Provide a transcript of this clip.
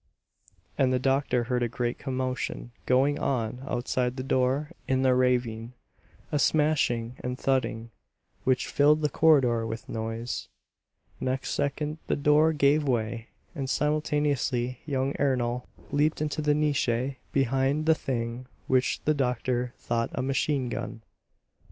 And the doctor heard a great commotion going on outside the door in the ravine; a smashing and thudding, which filled the corridor with noise. Next second the door gave way, and simultaneously young Ernol leaped into the niche behind the thing which the doctor thought a machine gun.